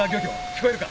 聞こえるか？